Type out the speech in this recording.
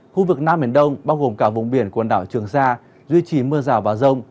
khu vực nam biển đông bao gồm cả vùng biển quần đảo trường sa duy trì mưa rào và rông